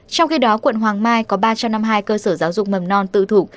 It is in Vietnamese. trong khi đó quận hoàng mai có ba trăm năm mươi hai cơ sở giáo dục mầm non tư thục